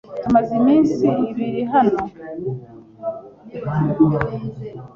Tumaze iminsi ibiri hano.